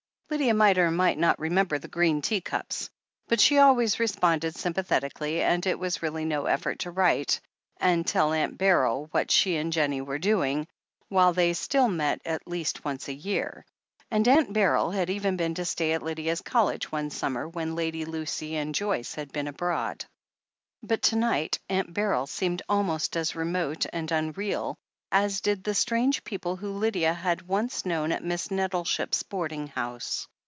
Lydia might or might not remember the green tea cups, but she always responded sympathetically, and it was really no effort to write and tell Aunt Beryl what she and Jennie were doing, while they still met at least once a year, and Aunt Beryl had even been to stay at Lydia's cottage one summer when Lady Lucy and Joyce had been abroad. But to night Aunt Beryl seemed almost as remote and unreal as did the strange people whom Lydia had once known at Miss Nettleship's boarding house.